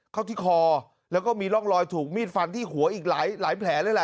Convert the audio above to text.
เข้าที่คอแล้วก็มีร่องรอยถูกมีดฟันที่หัวอีกหลายแผลเลยแหละ